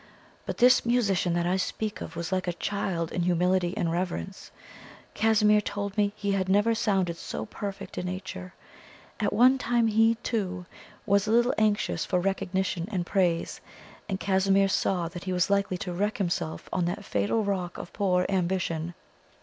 But this musician that I speak of was like a child in humility and reverence. Casimir told me he had never sounded so perfect a nature. At one time he, too, was a little anxious for recognition and praise, and Casimir saw that he was likely to wreck himself on that fatal rock of poor ambition.